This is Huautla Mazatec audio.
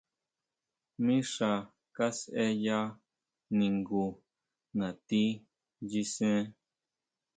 Mixa kasʼeya ningu nati nyisen.